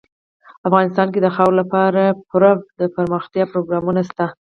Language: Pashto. افغانستان کې د خاورې لپاره پوره دپرمختیا پروګرامونه شته دي.